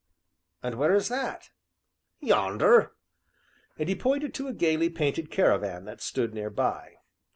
"And where is that?" "Yonder!" and he pointed to a gayly painted caravan that stood near by.